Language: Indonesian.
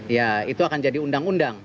ya itu akan jadi undang undang